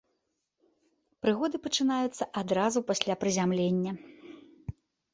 Прыгоды пачынаюцца адразу пасля прызямлення.